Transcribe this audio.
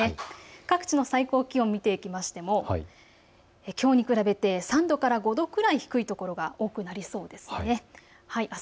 各地の最高気温見ていきましてもきょうに比べて３度から５度くらい低いところが多くなりそうです。